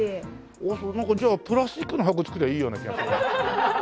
ああそうなんかじゃあプラスチックの箱作ればいいような気がする。